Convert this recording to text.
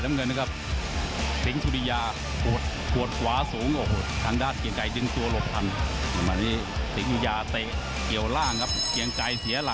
ทำให้เงินมันหายไปไปกลับนี่เป็น๑๐ล้านเลยนะ